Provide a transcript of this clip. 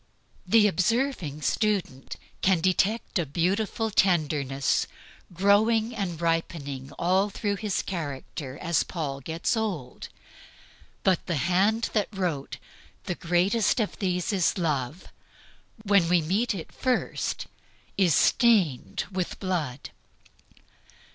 The observing student can detect a beautiful tenderness growing and ripening all through his character as Paul gets old; but the hand that wrote, "The greatest of these is love," when we meet it first, is stained with blood.